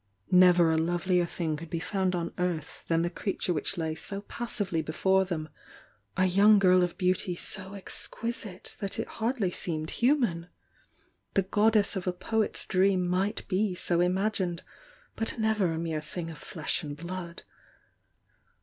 Never a lovelier thing could be found on earth than the creature which lay so passively before them, — a young girl of beauty so exquisite that it hardly seemed human. The god dess of a poet's dream might be so imagined, but never a mere thing of flesh and blood.